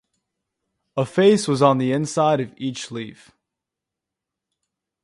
A face was on the inside of each leaf.